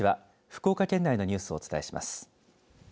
福岡県内のニュースをお伝えします。